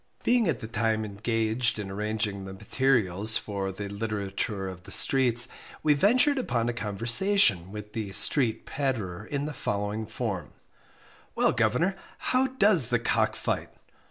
Being at the time engaged in arranging the materials for THE LITERATURE OF THE STREETS, we ventured upon a conversation with the "street patterer" in the following form: "Well, governor, how does the cock fight?"